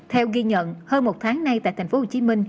theo ghi nhận hơn một tháng nay tại tp hcm